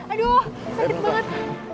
aduh sakit banget